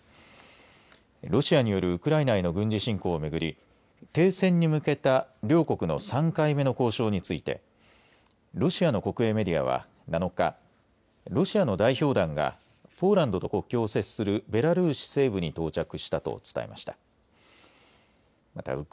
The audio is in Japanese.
ロシアによるウクライナへの軍事侵攻をめぐり停戦に向けた両国の３回目の交渉についてロシアの国営メディアは７日ロシアの代表団がポーランドと国境を接するベラルーシ西部に到着したと伝えました。